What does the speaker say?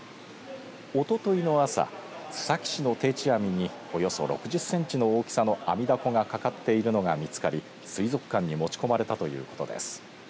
おとといの朝須崎市の定置網におよそ６０センチの大きさのアミダコがかかっているのが見つかり水族館に持ち込まれたということです。